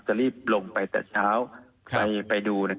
จะรีบลงไปแต่เช้าไปดู